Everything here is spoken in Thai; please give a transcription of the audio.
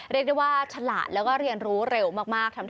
เรียกได้ว่าฉลาดแล้วก็เรียนรู้เร็วมาก